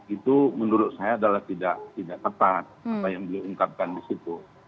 itu menurut saya adalah tidak tidak tepat apa yang diungkapkan di situ